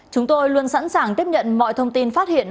chúng tôi luôn sẵn sàng tiếp nhận mọi thông tin phát hiện